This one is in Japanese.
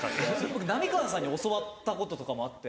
僕浪川さんに教わったこととかもあって。